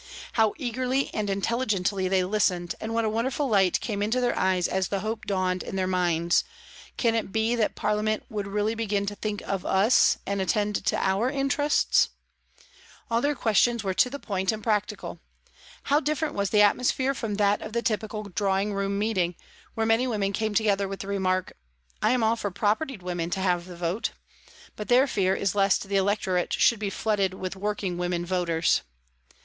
How eagerly and intelligently they listened, and what a wonderful light came into their eyes as the hope dawned in their minds :" Can it be that Parliament would really begin to think of us and attend to our interests ?" All their questions were to the point and practical. How different was the atmosphere from that of the typical drawing room meeting, where many women came together with the remark : "I am all for propertied women having the vote," but their fear is lest the electorate should be flooded with working women voters.